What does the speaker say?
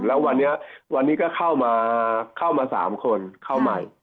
แล้ววันนี้ก็เข้ามา๓คนเข้าใหม่